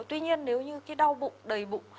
tuy nhiên nếu như cái đau bụng đầy bụng